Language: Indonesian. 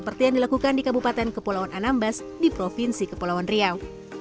seperti yang dilakukan di kabupaten kepulauan anambas di provinsi kepulauan riau